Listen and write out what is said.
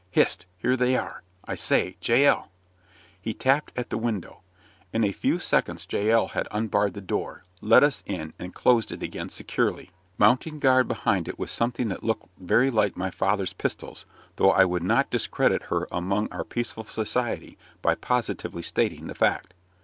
Hist! here they are I say, Jael?" He tapped at the window. In a few seconds Jael had unbarred the door, let us in, and closed it again securely, mounting guard behind it with something that looked very like my father's pistols, though I would not discredit her among our peaceful society by positively stating the fact.